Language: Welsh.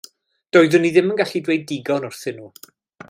Doeddwn i ddim yn gallu dweud digon wrthyn nhw.